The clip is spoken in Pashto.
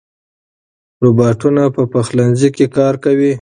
روباټونه په پخلنځي کې کار کوي.